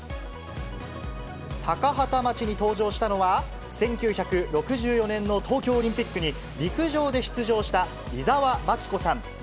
高畠町に登場したのは、１９６４年の東京オリンピックに陸上で出場した伊沢まき子さん